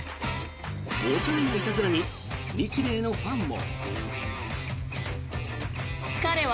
おちゃめないたずらに日米のファンも。